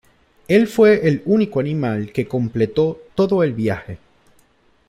Él fue el único animal que completó todo el viaje.